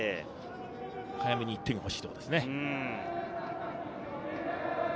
早めに１点がほしいところですよね。